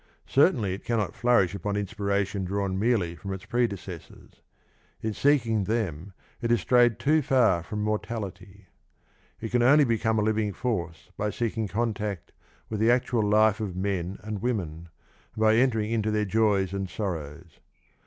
Certainly it cannot flourish upon inspiration drawn merely from its pre decessors. In seeking them it has strayed too far from mortality. It can only become a living force by seeking contact with the actual life of men and women, and by entering into their joys and sorrows.